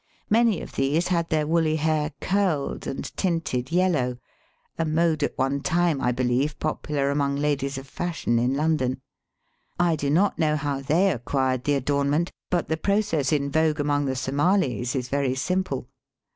Many of these had their woolly hair curled and tinted yellow, a mode at one time, I beheve, popular among ladies of fashion in London* I do not know how they acquired the adornment, but the process in vogue among the Somalis is very simple.